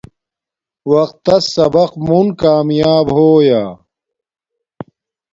وقت تس سبق مون کامیاپ ہو یا